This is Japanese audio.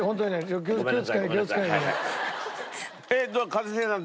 一茂さん